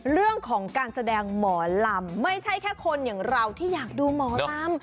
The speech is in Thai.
เรื่องของการแสดงหมอลำไม่ใช่แค่คนอย่างเราที่อยากดูหมอลำ